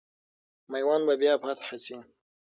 میوند به بیا فتح سي.